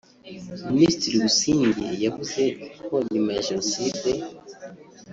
Minisitiri Busingye yavuze ko nyuma ya Jenoside